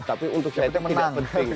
tapi untuk saya itu tidak penting